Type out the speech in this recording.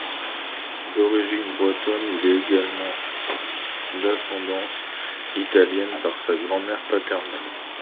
D'origine bretonne, il est également d’ascendance italienne par sa grand-mère paternelle.